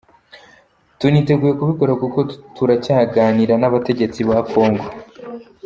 Tuniteguye kubikora kuko turacyaganira n’abategetsi ba Congo.